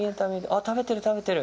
あっ、食べてる食べてる。